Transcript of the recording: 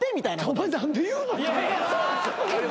お前何で言うの？